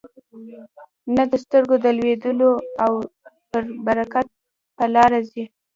نه د سترګو د لیدلو او پر برکت په لاره ځي.